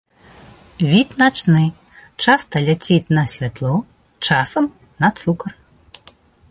Від начны, часта ляціць на святло, часам на цукар.